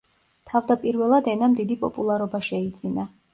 თავდაპირველად ენამ დიდი პოპულარობა შეიძინა.